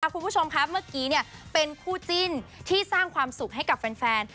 คุณผู้ชมครับเมื่อกี้เป็นคู่จิ้นที่สร้างความสุขให้กับแฟน